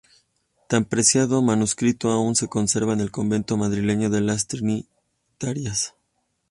Tan preciado manuscrito aún se conserva en el convento madrileño de las Trinitarias.